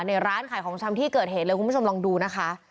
ในร้านขายของชำที่เกิดเหตุเลยคุณผู้ชมลองดูนะคะ